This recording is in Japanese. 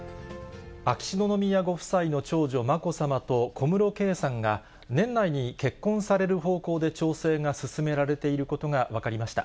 秋篠宮ご夫妻の長女、まこさまと小室圭さんが、年内に結婚される方向で調整が進められていることが分かりました。